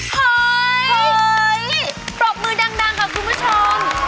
เฮ้ยเฮ้ยปรบมือดังดังครับคุณผู้ชม